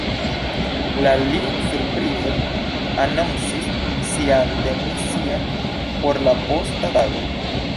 La li surprize anoncis sian demision por la posta tago.